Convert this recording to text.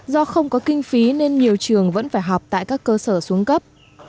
do không có kinh phí nên nhiều trường vẫn phải học tại các cơ sở xuống cấp